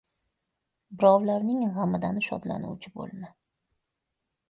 — Birovlarning g‘amidan shodlanuvchi bo‘lma.